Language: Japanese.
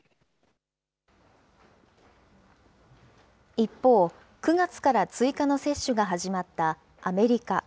一方、９月から追加の接種が始まったアメリカ。